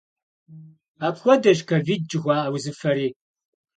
Апхуэдэщ ковид жыхуаӏэ узыфэри.